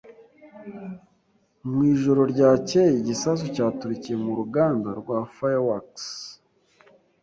Mu ijoro ryakeye, igisasu cyaturikiye mu ruganda rwa fireworks